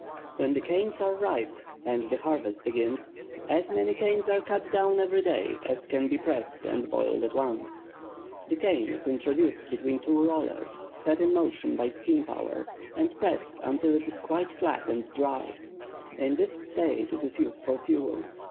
When the canes are ripe, and the harvest begins, as many canes are cut down every day as can be pressed and boiled at once. The cane is introduced between two rollers, set in motion by steam power, and pressed until it is quite flat and dry; in this state it is used for fuel.